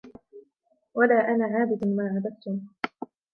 ولا أنا عابد ما عبدتم